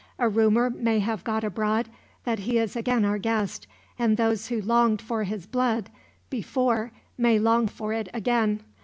A rumor may have got abroad that he is again our guest, and those who longed for his blood, before, may long for it again.